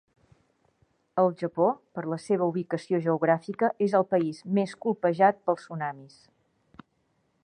El Japó, per la seva ubicació geogràfica, és el país més colpejat pels tsunamis.